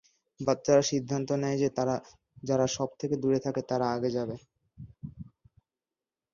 বাচ্চারা সিদ্ধান্ত নেয় যে যারা সবথেকে দূরে থাকে তারা আগে যাবে।